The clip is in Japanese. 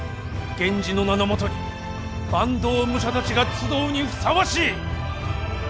源氏の名のもとに坂東武者たちが集うにふさわしい！